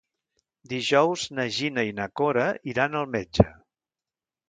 Dijous na Gina i na Cora iran al metge.